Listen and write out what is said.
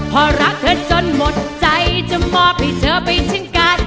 พอรักเธอจนหมดใจจะมอบให้เธอไปเช่นกัน